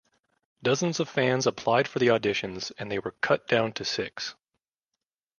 Dozens of fans applied for the auditions and they were cut down to six.